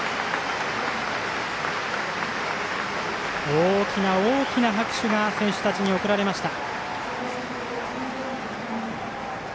大きな大きな拍手が選手たちに送られました。